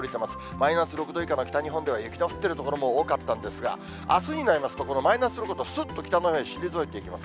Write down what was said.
マイナス６度以下の北日本では雪の降っている所も多かったんですが、あすになりますと、このマイナス６度、すっと北のほうへ退いていきます。